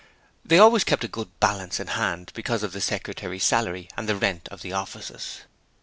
(They always kept a good balance in hand because of the Secretary's salary and the rent of the offices.)